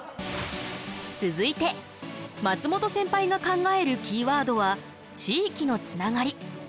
続いて松本センパイが考えるキーワードは「地域のつながり」。